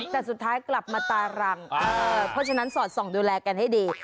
แต่สุดท้ายกลับมาตารังเพราะฉะนั้นสอดส่องดูแลกันให้ดี